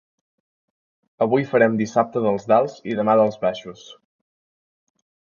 Avui farem dissabte dels dalts i demà dels baixos.